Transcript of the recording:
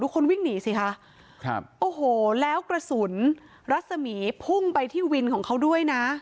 คนวิ่งหนีสิคะครับโอ้โหแล้วกระสุนรัศมีร์พุ่งไปที่วินของเขาด้วยนะ